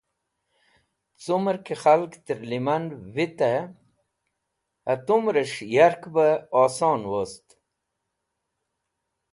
Cumẽr ki khalg tẽr lẽman vitẽ hatumrẽs̃h yark be oson wost